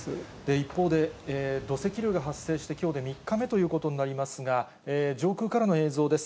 一方で、土石流が発生して、きょうで３日目ということになりますが、上空からの映像です。